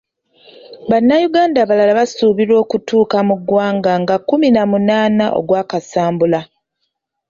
Bannayuganda abalala basuubirwa okutuuka mu ggwanga nga kkumi na munaana ogwa Kasambula.